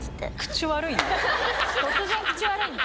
突然口悪いんだ。